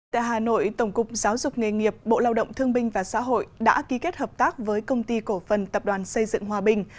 tại hà nội tổng cục giáo dục nghề nghiệp bộ lao động thương binh và xã hội đã ký kết hợp tác với công ty cổ phần tập đoàn xây dựng hòa bình